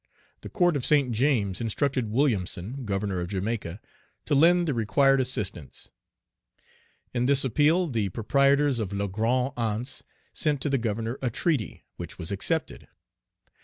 The Court of St. James instructed Williamson, governor of Jamaica, to lend the required assistance. In this appeal, the proprietors of La Grande Anse sent to the governor a treaty, which was accepted.